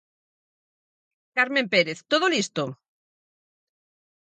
Carmen Pérez, todo listo?